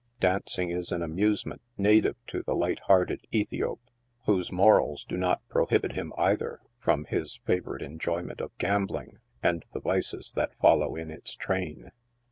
Dancing is an amusement native to the light hearted Ethiop, whose morals do not prohibit him, either, from his favorite enjoyment of gambling and the vices that follow in its train.